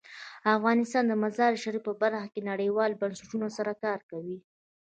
افغانستان د مزارشریف په برخه کې نړیوالو بنسټونو سره کار کوي.